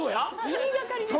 言いがかりですよ。